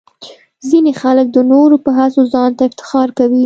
ځینې خلک د نورو په هڅو ځان ته افتخار کوي.